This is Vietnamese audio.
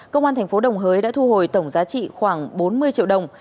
công an tp đồng hới đã thu hồi tổng giá trị khoảng bốn mươi triệu đồng